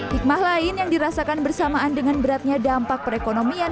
hikmah lain yang dirasakan bersamaan dengan beratnya dampak perekonomian